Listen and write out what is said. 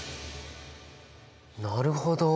なるほど！